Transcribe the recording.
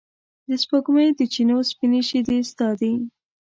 د سپوږمۍ د چېنو سپینې شیدې ستا دي